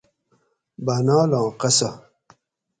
بانالاں قصہ